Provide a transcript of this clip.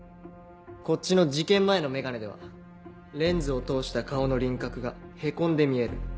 こっちの事件前の眼鏡ではレンズを通した顔の輪郭がへこんで見える。